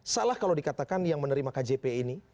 salah kalau dikatakan yang menerima kjp ini